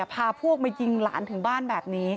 พาพวกมายิงหลานถึงบ้านแบบนี้